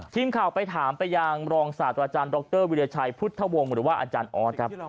ทีมข่าวไปถามไปยังรองศาสตราจารย์ดรวิทยาชัยพุทธวงศ์หรือว่าอาจารย์ออสครับ